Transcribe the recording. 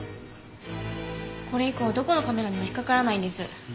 これ以降どこのカメラにも引っかからないんです。